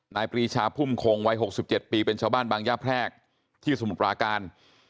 ปรีชาพุ่มคงวัย๖๗ปีเป็นชาวบ้านบางย่าแพรกที่สมุทรปราการ